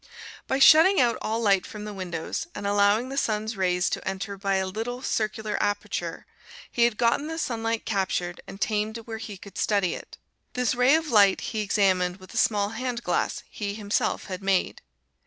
By shutting out all light from the windows and allowing the sun's rays to enter by a little, circular aperture, he had gotten the sunlight captured and tamed where he could study it. This ray of light he examined with a small hand glass he himself had made.